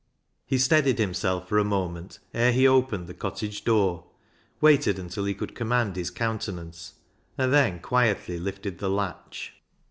He steadied himself for a moment ere he opened the cottage door, waited until he could command his countenance, and then quietly lifted the latch.